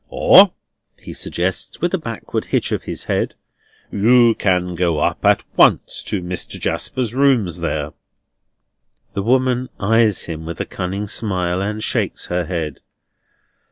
"Or," he suggests, with a backward hitch of his head, "you can go up at once to Mr. Jasper's rooms there." The woman eyes him with a cunning smile, and shakes her head.